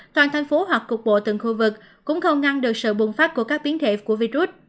toàn thành phố hoặc cục bộ từng khu vực cũng không ngăn được sự bùng phát của các biến thể của virus